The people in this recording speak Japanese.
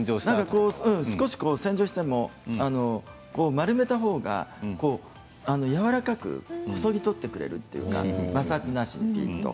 少し洗浄しても丸めた方が柔らかくこそげ取ってくれるというか、摩擦なしにぴんと。